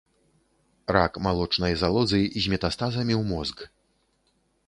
Рак малочнай залозы з метастазамі ў мозг.